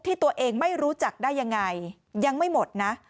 ที่ตัวเองไม่รู้จักได้ยังไงยังไม่หมดนะ